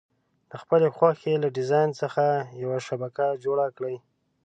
د خپلې خوښې له ډیزاین څخه یوه شبکه جوړه کړئ.